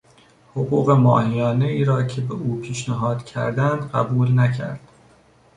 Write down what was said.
حقوق ماهیانهای را که به او پیشنهاد کردند قبول نکرد.